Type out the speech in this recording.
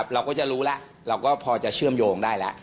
เราก็จะรู้แล้วเราก็พอจะเชื่อมโยงได้แล้ว